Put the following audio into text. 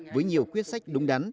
với nhiều quyết sách đúng đắn